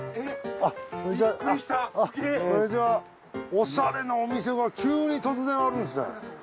オシャレなお店が急に突然あるんですね。